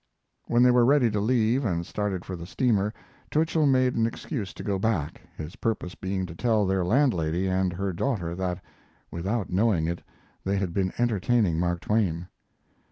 When they were ready to leave, and started for the steamer, Twichell made an excuse to go back, his purpose being to tell their landlady and her daughter that, without knowing it, they had been entertaining Mark Twain.